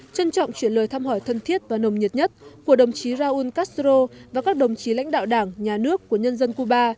trân trọng chuyển lời thăm hỏi thân thiết và nồng nhiệt nhất của đồng chí raúl castro và các đồng chí lãnh đạo đảng nhà nước của nhân dân cuba